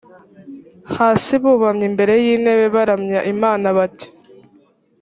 hasi bubamye imbere y intebe baramya imana bati